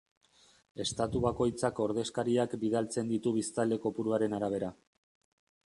Estatu bakoitzak ordezkariak bidaltzen ditu biztanle kopuruaren arabera.